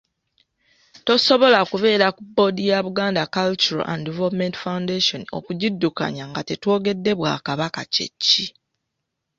Tosobola kubeera ku boodi ya Buganda Cultural And Development Foundation okugiddukanya nga tetwogedde bwakabaka kye ki.